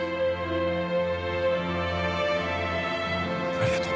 ありがとう。